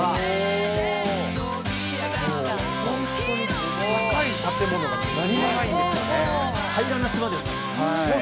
本当に高い建物が何もないんですよね。